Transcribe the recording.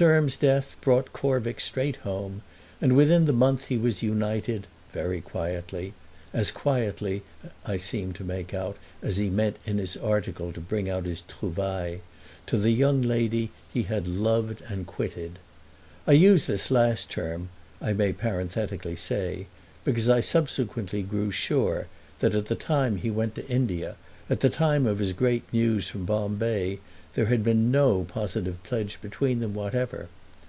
Erme's death brought Corvick straight home, and within the month he was united "very quietly"—as quietly, I seemed to make out, as he meant in his article to bring out his trouvaille—to the young lady he had loved and quitted. I use this last term, I may parenthetically say, because I subsequently grew sure that at the time he went to India, at the time of his great news from Bombay, there had been no positive pledge between them whatever.